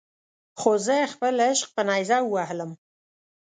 خو زه خپل عشق په نیزه ووهلم.